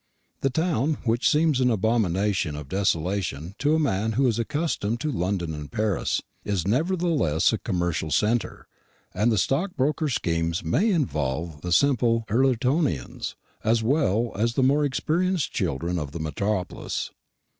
The town, which seems an abomination of desolation to a man who is accustomed to London and Paris, is nevertheless a commercial centre; and the stockbroker's schemes may involve the simple Ullertonians, as well as the more experienced children of the metropolis.